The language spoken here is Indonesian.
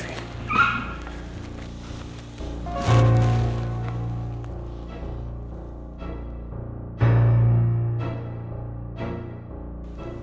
aku ingatin banget itu